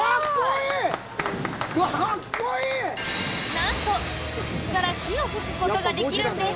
なんと、口から火を吹くことができるんです！